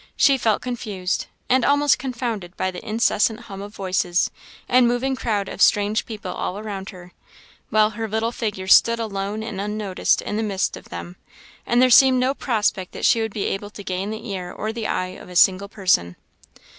She felt confused, and almost confounded by the incessant hum of voices, and moving crowd of strange people all around her, while her little figure stood alone and unnoticed in the midst of them; and there seemed no prospect that she would be able to gain the ear or the eye of a single person.